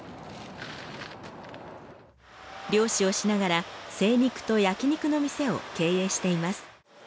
漁師をしながら精肉と焼き肉の店を経営しています。